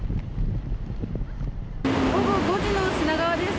午後５時の品川です。